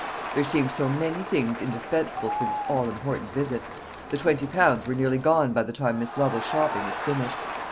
There seemed so many things indispensable for this all important visit. The twenty pounds were nearly gone by the time Miss Lovel's shopping was finished.